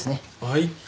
はい。